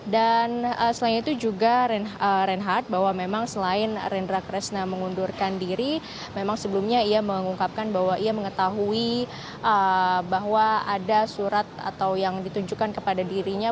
dan selain itu juga renhard bahwa memang selain rendra kresna mengundurkan diri memang sebelumnya ia mengungkapkan bahwa ia mengetahui bahwa ada surat atau yang ditunjukkan kepada dirinya